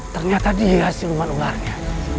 ternyata dia siluman ularnya